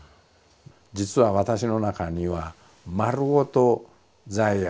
実は私の中には丸ごと罪悪